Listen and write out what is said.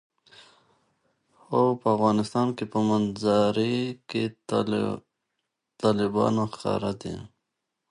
د افغانستان په منظره کې تالابونه ښکاره ده.